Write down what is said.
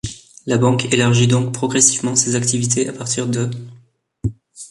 La banque élargit donc progressivement ses activités à partir d'.